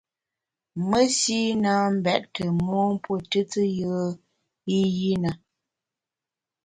Mesi na mbèt tù mon mpuo tùtù yùe i yi na.